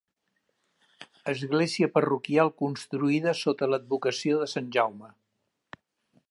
Església parroquial construïda sota l'advocació de Sant Jaume.